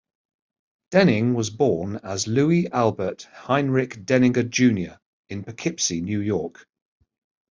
Denning was born as Louis Albert Heindrich Denninger, Junior in Poughkeepsie, New York.